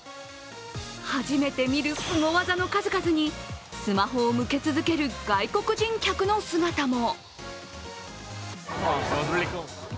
初めて見るすご技の数々にスマホを向け続ける外国人客の姿も。